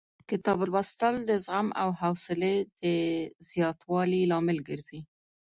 کتاب لوستل د زغم او حوصلې د زیاتوالي لامل ګرځي.